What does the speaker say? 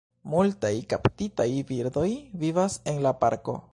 Multaj kaptitaj birdoj vivas en la parko.